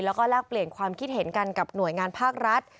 แล้วก็แลกเปลี่ยนความคิดเห็นกันกับหน่วยงานภาครัฐ